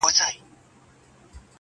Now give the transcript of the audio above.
د احمدشاه له جګو غرونو سره لوبي کوي!!